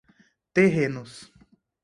terrenos